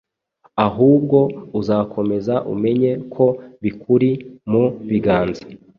ahubwo uzakomeza umenye ko bikuri mu biganza